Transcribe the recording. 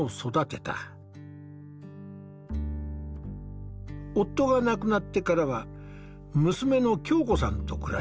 夫が亡くなってからは娘の恭子さんと暮らしてきた。